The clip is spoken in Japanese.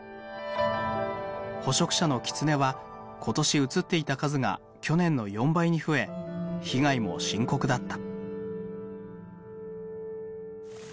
捕食者のキツネは今年写っていた数が去年の４倍に増え被害も深刻だった。